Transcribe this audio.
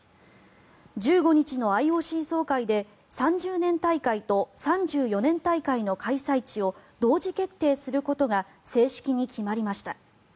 １５日のＩＯＣ総会で３０年大会と３４年大会の開催地を同時決定することが正式に決まりました。